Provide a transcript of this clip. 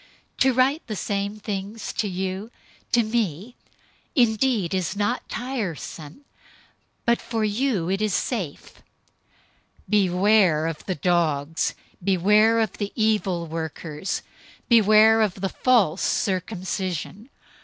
To write the same things to you, to me indeed is not tiresome, but for you it is safe. 003:002 Beware of the dogs, beware of the evil workers, beware of the false circumcision.